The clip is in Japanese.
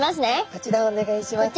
こちらお願いします。